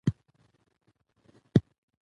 افغانستان د کلي لپاره مشهور دی.